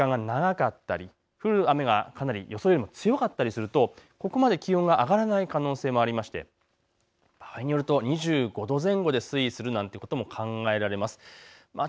降っている時間が長かったり降る雨が予想よりも強かったりするとここまで気温が上がらない可能性もあって、場合によると２５度前後で推移することも考えられます。